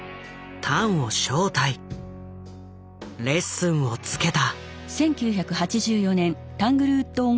レッスンをつけた。